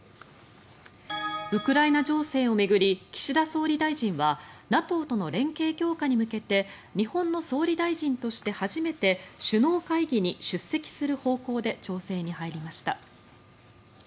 ウクライナ情勢を巡り岸田総理大臣はＮＡＴＯとの連携強化に向けて日本の総理大臣として初めて首脳会議に出席する方向で調整に入りました。